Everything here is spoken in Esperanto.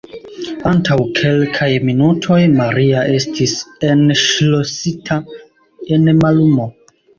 Antaŭ kelkaj minutoj, Maria estis enŝlosita en mallumo.